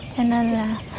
cho nên là